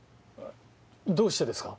どうしてですか？